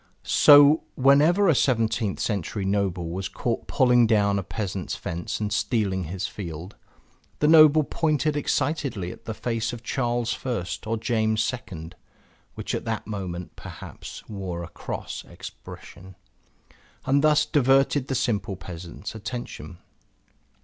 So whenever a seventeenth century noble was caught pulling down a peasant's fence and stealing his field, the noble pointed excitedly at the face of Charles I or James II (which at that moment, perhaps, wore a cross expression) and thus diverted the simple peasant's attention.